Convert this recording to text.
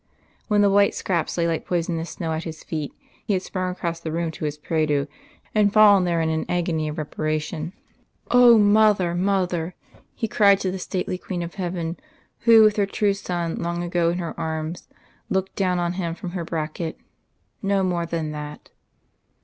When the white scraps lay like poisonous snow at his feet, he had sprung across the room to his prie dieu, and fallen there in an agony of reparation. "Oh! Mother, Mother!" he cried to the stately Queen of Heaven who, with Her true Son long ago in Her arms, looked down on him from Her bracket no more than that.